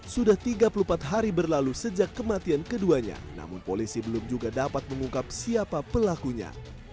sudah tiga puluh empat hari berlalu sejak kematian keduanya namun polisi belum juga dapat mengungkap siapa pelakunya